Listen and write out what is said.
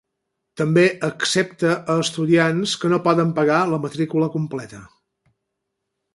També accepta a estudiants que no poden pagar la matrícula completa.